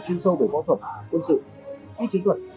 chuyên sâu về võ thuật quân sự y chiến thuật